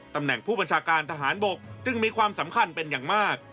ตำแหน่งผู้บัญชาการทหารบกจึงมีความสำคัญเป็นอย่างมาก